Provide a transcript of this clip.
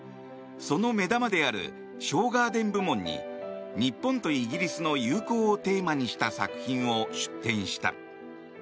その目玉であるショーガーデン部門に日本とイギリスの友好をテーマにした作品を出展した。